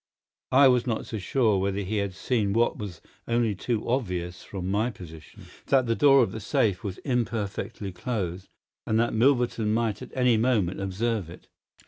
I was not sure whether he had seen what was only too obvious from my position, that the door of the safe was imperfectly closed, and that Milverton might at any moment observe it.